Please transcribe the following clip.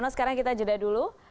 sekarang kita jeda dulu